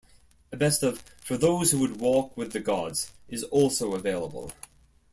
A best of, "For Those Who Would Walk with the Gods" is also available.